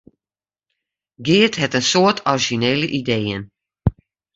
Geart hat in soad orizjinele ideeën.